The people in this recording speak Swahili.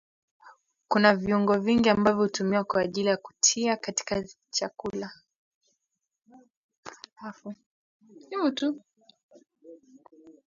Kuna viungo vingi ambavyo hutumiwa kwa ajili ya kutia katika vyakula